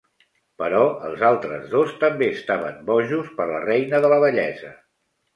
Però els altres dos també estaven bojos per la reina de la bellesa.